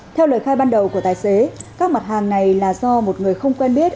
theo lời khai ban đầu của tài xế các mặt hàng này là do một người không quen biết